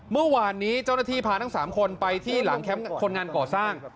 เมื่อวานนี้เจ้าหน้าที่พาทั้ง๓คนไปที่หลังแคมป์คนงานก่อสร้าง